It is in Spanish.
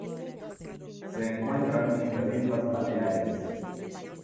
Se encuentran en las Islas Baleares.